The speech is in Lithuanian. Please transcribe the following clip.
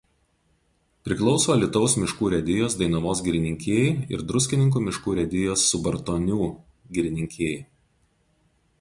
Priklauso Alytaus miškų urėdijos Dainavos girininkijai ir Druskininkų miškų urėdijos Subartonių girininkijai.